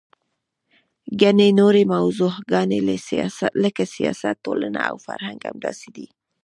ګڼې نورې موضوعګانې لکه سیاست، ټولنه او فرهنګ همداسې دي.